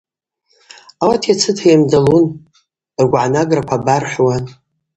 Ауат йацыта йамдалун, ргвгӏанаграква абархӏвуан.